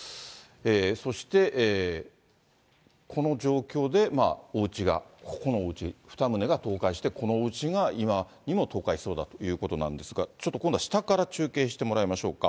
そしてこの状況で、おうちが、ここのおうち２棟が倒壊して、このおうちが今にも倒壊しそうだということなんですが、ちょっと今度は下から中継してもらいましょうか。